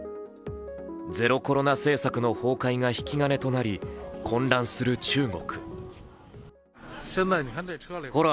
ゼロコロナ政策の崩壊が引き金となり、混乱する中国。